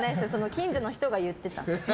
近所の人が言ってた。